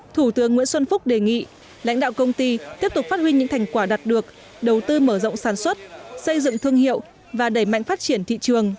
thủ tướng nguyễn xuân phúc đề nghị lãnh đạo công ty tiếp tục phát huy những thành quả đạt được đầu tư mở rộng sản xuất xây dựng thương hiệu và đẩy mạnh phát triển thị trường